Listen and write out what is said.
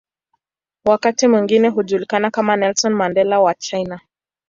Wakati mwingine hujulikana kama "Nelson Mandela wa China".